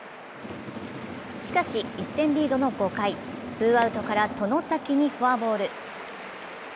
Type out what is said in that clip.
しかし、１点リードの５回、ツーアウトから外崎にフォアボール。